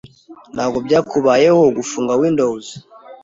Ntabwo byakubayeho gufunga Windows?